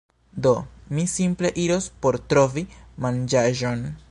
Do, mi simple iros por trovi manĝaĵon